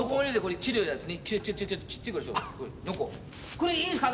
これいいですか？